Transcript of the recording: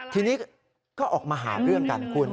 ทีนี้ก็ออกมาหาเรื่องกันคุณ